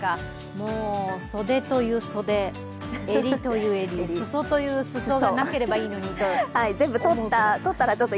もう袖という袖、襟という襟、裾という裾がなければいいのにと。